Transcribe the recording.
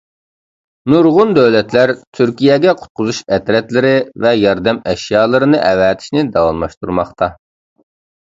نۇرغۇن دۆلەتلەر تۈركىيەگە قۇتقۇزۇش ئەترەتلىرى ۋە ياردەم ئەشيالىرىنى ئەۋەتىشنى داۋاملاشتۇرماقتا.